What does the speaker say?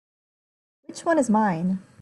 Which one is mine?